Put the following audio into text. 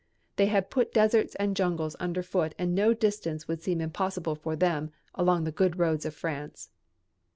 They had put deserts and jungles under foot and no distance would seem impossible for them along the good roads of France.